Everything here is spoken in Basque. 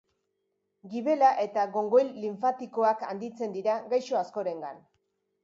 Gibela eta gongoil linfatikoak handitzen dira gaixo askorengan.